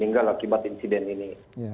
hingga akibat insiden ini